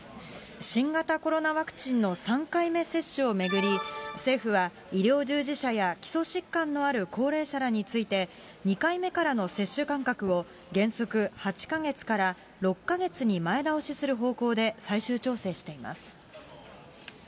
新型コロナワクチンの３回目接種を巡り、政府は医療従事者や基礎疾患のある高齢者らについて、２回目からの接種間隔を原則８か月から６か月に前倒しする方向で最終調整しています。